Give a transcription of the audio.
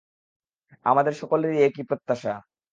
আমাদের সকলেরই একই প্রত্যাশা।